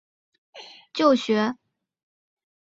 阮攸被送至山南下镇亲戚段阮俊就学。